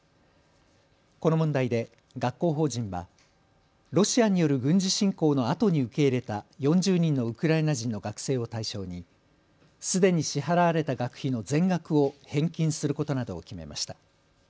この問題で学校法人はロシアによる軍事侵攻のあとに受け入れた４０人のウクライナ人の学生を対象にすでに支払われた学費の全額を返金することなどを決めました。